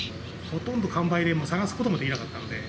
ほとんど完売で、もう探すこともできなかったので。